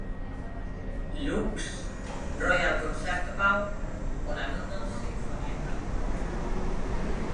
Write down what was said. Luke's, Royal Concertgebouw o la London Sinfonietta.